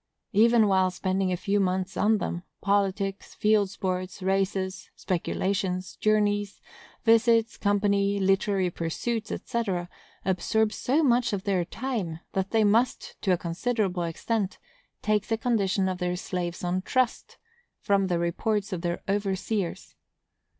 Even while spending a few months on them, politics, field sports, races, speculations, journeys, visits, company, literary pursuits, &c., absorb so much of their time, that they must, to a considerable extent, take the condition of their slaves on trust, from the reports of their overseers.